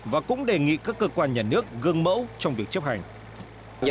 và cũng đề nghị các cơ quan nhà nước gương mẫu trong việc chấp hành